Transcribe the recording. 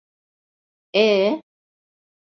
Ee?